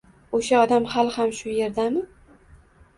O`sha odam hali ham shu erdami